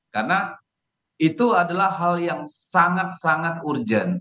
karena itu adalah hal yang sangat sangat urgent